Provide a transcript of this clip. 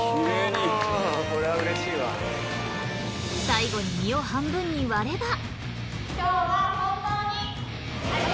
最後に身を半分に割れば。